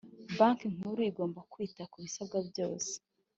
Banki Nkuru igomba kwita ku bisabwa byose